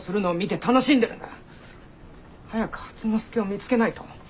早く初之助を見つけないと。